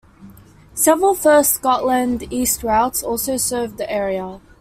Several First Scotland East routes also serve the area.